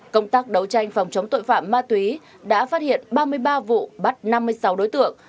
công tác đấu tranh phòng chống tội phạm ma túy đã phát hiện ba mươi ba vụ bắt năm mươi sáu đối tượng